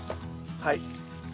はい。